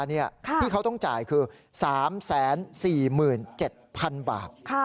ที่เขาต้องจ่ายคือ๓๔๗๐๐๐บาท